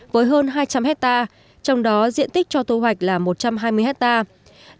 với hơn hai trăm linh hectare trong đó diện tích cho thu hoạch là một trăm hai mươi hectare